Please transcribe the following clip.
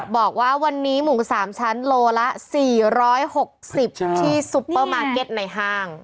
บอกว่าวันนี้หมู๓ชั้นโลละ๔๖๐ที่ซุปเปอร์มาร์เก็ตในห้าง